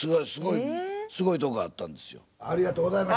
すごいすごいとこがあったんですよ。